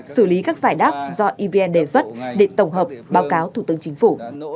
xử lý các giải đáp do evn đề xuất để tổng hợp báo cáo thủ tướng chính phủ